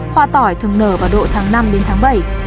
hoa tỏi thường nở vào độ tháng năm đến tháng bảy